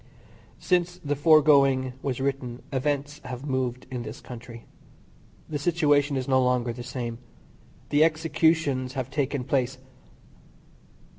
Since the foregoing was written events have moved in this country. The situation is no longer the same. The executions have taken place.